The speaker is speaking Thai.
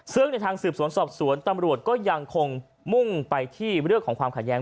ซึ่งในทางสืบสวนสอบสวนตำรวจก็ยังคงมุ่งไปที่เรื่องของความขัดแย้ง